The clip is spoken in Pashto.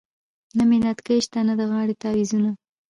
نه مې نتکې شته نه د غاړې تعویذونه .